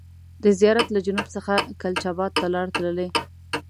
د زیارت له جنوب څخه کلچا بات ته لار تللې.